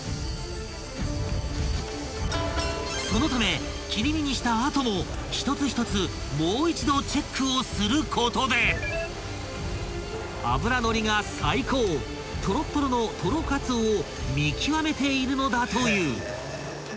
［そのため切り身にした後も一つ一つもう一度チェックをすることで脂ノリが最高とろっとろのとろかつおを見極めているのだという］